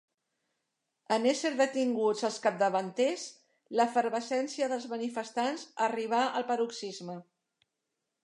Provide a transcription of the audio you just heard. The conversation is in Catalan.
En ésser detinguts els capdavanters, l'efervescència dels manifestants arribà al paroxisme.